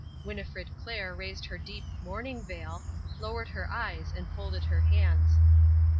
Winnifred Clair raised her deep mourning veil, lowered her eyes and folded her hands.